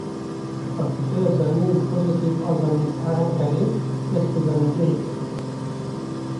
Li fakûlteya zanînên pozîtîv a Zanîngeha Enqereyê dest bi zanîngehê kir.